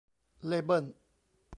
เลเบิ้น